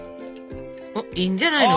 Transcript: いいんじゃないの？